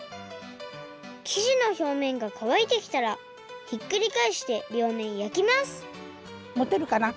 きじのひょうめんがかわいてきたらひっくりかえしてりょうめんやきますもてるかな？